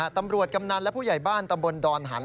กำนันและผู้ใหญ่บ้านตำบลดอนหัน